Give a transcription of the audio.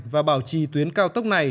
và bảo trì tuyến cao tốc này